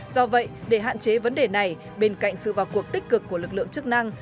do vậy để hạn chế vấn đề này bên cạnh sự vào cuộc tích cực của lực lượng chức năng